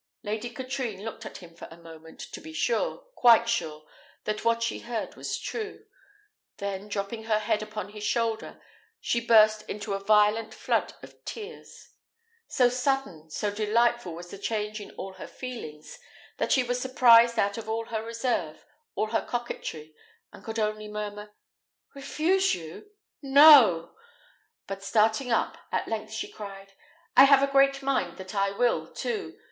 Lady Katrine looked at him for a moment, to be sure, quite sure, that what she heard was true; then dropping her head upon his shoulder, she burst into a violent flood of tears. So sudden, so delightful was the change in all her feelings, that she was surprised out of all her reserve, all her coquetry, and could only murmur, "Refuse you? no!" But starting up, at length she cried, "I have a great mind that I will, too.